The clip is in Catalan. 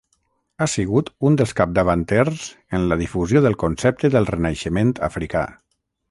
Ha sigut un dels capdavanters en la difusió del concepte del Renaixement Africà.